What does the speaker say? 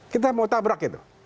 kita mau tabrak itu